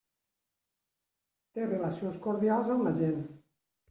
Té relacions cordials amb la gent.